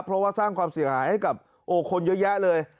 เพราะว่าสร้างความเสียหายให้กับคนเยอะแยะเลย